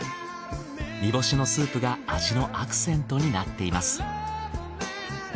煮干しのスープが味のアクセントになっています。